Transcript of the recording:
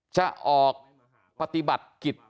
จะออกปฏิบัติกิจ